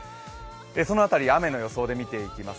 その辺り、雨の予想で見ていきます。